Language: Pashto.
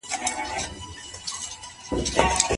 زه خپل وطن پېژنم.